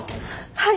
はい！